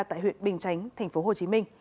tại huyện bình chánh tp hcm